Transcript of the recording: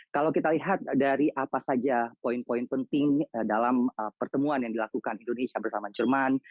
kalau kita lihat dari apa saja poin poin penting dalam pertemuan yang dilakukan indonesia bersama jerman